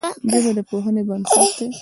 ژبه د پوهې بنسټ ده